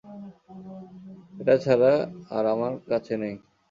এটা ছাড়া আর আমার কাছে নেই।